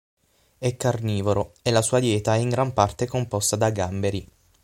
È carnivoro, e la sua dieta è in gran parte composta da gamberi.